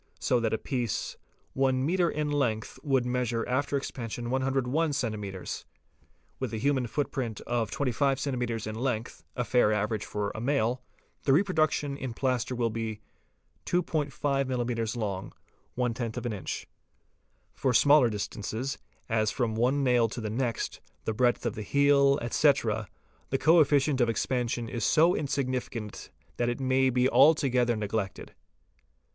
so that a piece one metre in length would measure after expansion 101 centi metres: with a human footprint of 25 cms. in length, a fair average for a male, the reproduction in plaster will be 2°5 mms. longer (;;inch). For smaller distances, as from one nail to the next, the breadth of the heel, etc., the co efficient of expansion is so insignificant that it may be alto gether neglected.